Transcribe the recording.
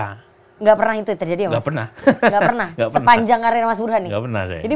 tidak pernah itu terjadi ya mas